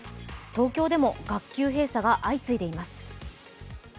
東京でも学級閉鎖が相次いでいます。